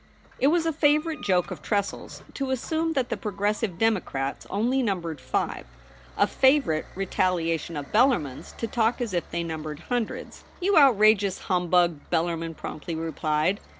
It was a favourite joke of Tressel's to assume that the Progressive Democrats only numbered five : a favourite retaliation of Bellarmin's to talk as if they numbered hundreds. 'You outrageous humbug!' Bellarmin promptly replied.